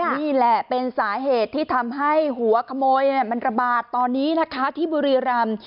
นี่แหละเป็นสาเหตุที่ทำให้หัวขโมยมันระบาดตอนนี้นะคะที่บุรีรำ